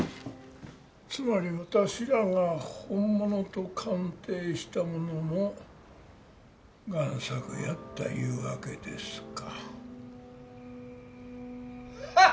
つまり私らが本物と鑑定したものも贋作やったいうわけですか。